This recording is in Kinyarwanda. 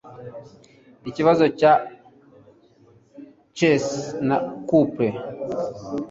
Ikibaho cya chaise na couple